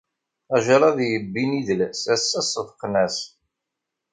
Ajraḍ yebbin idles, ass-a sefqen-as